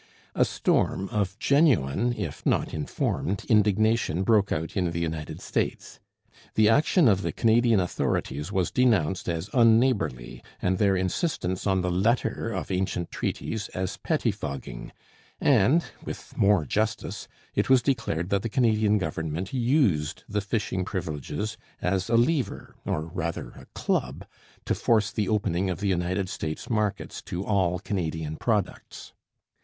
A storm of genuine if not informed indignation broke out in the United States. The action of the Canadian authorities was denounced as unneighbourly and their insistence on the letter of ancient treaties as pettifogging; and, with more justice, it was declared that the Canadian Government used the fishing privileges as a lever, or rather a club, to force the opening of the United States markets to all Canadian products.